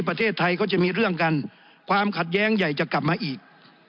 ประเทศไทยก็จะมีเรื่องกันความขัดแย้งใหญ่จะกลับมาอีก